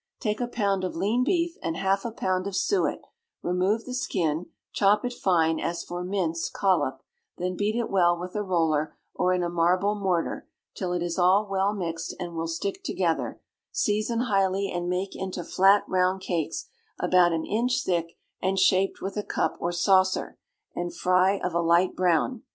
Take a pound of lean beef, and half a pound of suet, remove the skin, chop it fine as for mince collop, then beat it well with a roller, or in a marble mortar, till it is all well mixed and will stick together; season highly, and make into flat round cakes, about an inch thick, and shaped with a cup or saucer, and fry of a light brown.